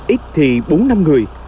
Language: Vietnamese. ít thì bốn năm người